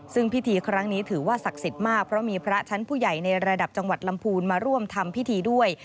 ซึ่งพิธีครั้งนี้ถือว่าศักดิ์สิทธิ์มากเพราะมีพระชั้นผู้ใหญ่ในระดับจังหวัดลำพูนมาร่วมทำพิธีด้วย